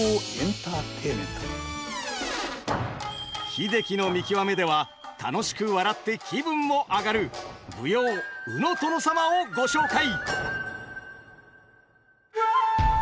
「英樹の見きわめ」では楽しく笑って気分も上がる舞踊「鵜の殿様」をご紹介！